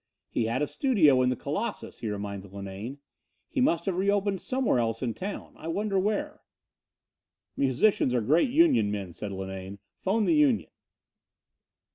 "He had a studio in the Colossus," he reminded Linane. "He must have re opened somewhere else in town. I wonder where." "Musicians are great union men," said Linane. "Phone the union."